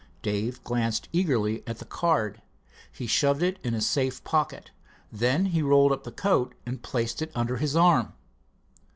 Dave glanced eagerly at the card. He shoved it in a safe pocket. Then he rolled up the coat and placed it under his arm.